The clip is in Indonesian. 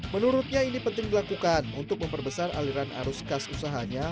menurutnya ini penting dilakukan untuk memperbesar aliran arus kas usahanya